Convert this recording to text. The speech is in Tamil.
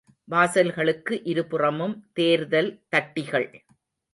வாசல்களுக்கு இருபுறமும் தேர்தல் தட்டிகள்.